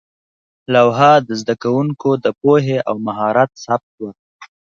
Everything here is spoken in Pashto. لوحه د زده کوونکو د پوهې او مهارت ثبت وه.